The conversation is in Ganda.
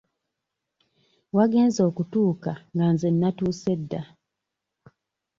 Wagenze okutuuka nga nze nnatuuse dda.